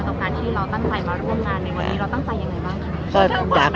กับการที่เราตั้งใจมาร่วมงานในวันนี้เราตั้งใจยังไงบ้างคะ